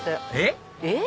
えっ？